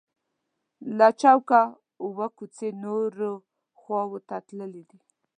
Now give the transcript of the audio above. له چوکه اووه کوڅې نورو خواو ته تللي دي.